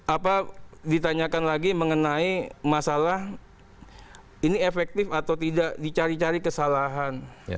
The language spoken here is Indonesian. apa ditanyakan lagi mengenai masalah ini efektif atau tidak dicari cari kesalahan